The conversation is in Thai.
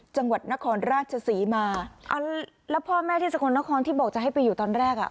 จังหวัดนครราชศรีมาอ่าแล้วพ่อแม่ที่สกลนครที่บอกจะให้ไปอยู่ตอนแรกอ่ะ